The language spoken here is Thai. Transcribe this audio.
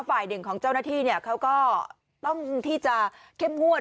ฝ่ายหนึ่งของเจ้าหน้าที่เขาก็ต้องที่จะเข้มงวด